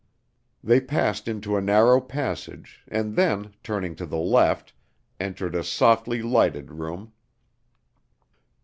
They passed into a narrow passage, and then, turning to the left, entered a softly lighted room.